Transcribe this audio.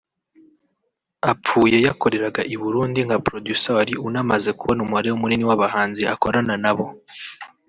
Apfuye yakoreraga i Burundi nka Producer wari unamaze kubona umubare munini w’abahanzi akorana na bo